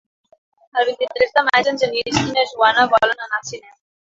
El vint-i-tres de maig en Genís i na Joana volen anar al cinema.